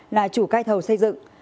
là chủ cai thầu xây dựng